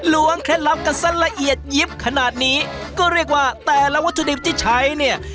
ล้วเคล็ดลับกันซะละเอียดยิบขนาดนี้ก็เรียกว่าแต่ละวัตถุดิบที่ใช้เนี่ย